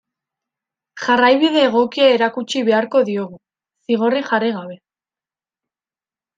Jarraibide egokia erakutsi beharko diogu, zigorrik jarri gabe.